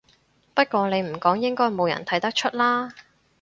不過你唔講應該冇人睇得出啦